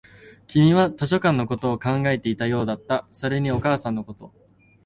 君は図書館のことを考えていたようだった、それにお母さんのこと